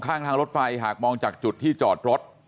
ข้างทางรถไฟหากมองจากจุดที่จอดรถ